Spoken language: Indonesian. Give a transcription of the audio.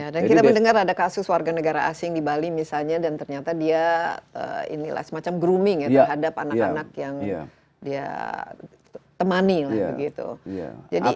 dan kita mendengar ada kasus warga negara asing di bali misalnya dan ternyata dia semacam grooming terhadap anak anak yang dia temani